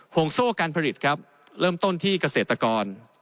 งโซ่การผลิตครับเริ่มต้นที่เกษตรกร